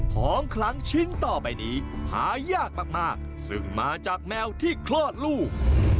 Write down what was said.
ของคลังชิ้นต่อไปนี้หายากมากซึ่งมาจากแมวที่คลอดลูก